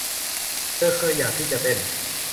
เธอเคยอยากที่จะเต้น